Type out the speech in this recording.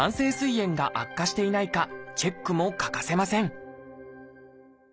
炎が悪化していないかチェックも欠かせません